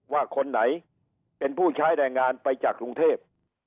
ว่าคนไหนเป็นผู้ใช้แรงงานไปจากกรุงเทพ